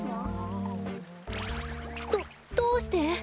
どどうして！？